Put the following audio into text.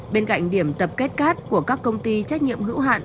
bên cạnh điểm tập kết cát của các công ty trách nhiệm hữu hạn